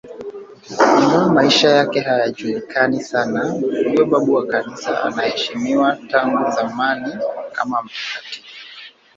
Ingawa maisha yake hayajulikani sana, huyo babu wa Kanisa anaheshimiwa tangu zamani kama mtakatifu.